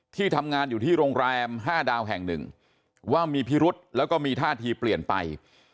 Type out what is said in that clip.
ที่ทำงานอยู่ที่โรงแรม๕ดาวแห่งหนึ่งว่ามีพิรุษแล้วก็มีท่าทีเปลี่ยนไป